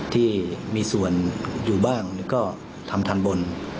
ที่มีส่วนอยู่บ้างก็ทำทันบน